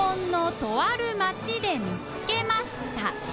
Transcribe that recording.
稙椶とある町で見つけました小峠）